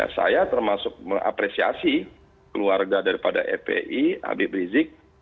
saya termasuk mengapresiasi keluarga dari epi habib rizik